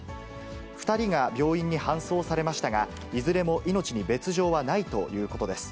２人が病院に搬送されましたが、いずれも命に別状はないということです。